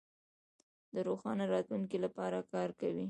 د روښانه راتلونکي لپاره کار کوو.